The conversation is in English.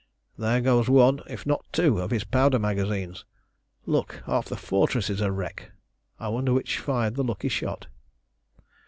"There goes one, if not two, of his powder magazines. Look! half the fortress is a wreck. I wonder which fired the lucky shot."